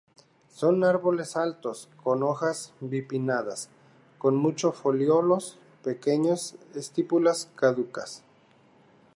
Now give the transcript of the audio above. Son árboles altos con hojas bipinnadas, con muchos foliolos pequeños; estípulas caducas.